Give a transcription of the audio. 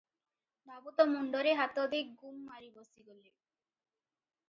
ବାବୁ ତ ମୁଣ୍ଡରେ ହାତ ଦେଇ ଗୁମ୍ ମାରି ବସିଗଲେ ।